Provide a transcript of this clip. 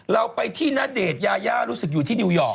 เราไปที่ณเดชน์ยายารู้สึกอยู่ที่นิวยอร์ก